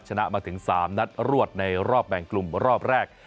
ชนะมาถึง๓นัดรวดในรอบแบ่งกลุ่มรอบแรก